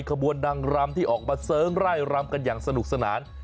ขบวนนางรำที่ออกมาเสริงไร่รำกันอย่างสนุกสนาน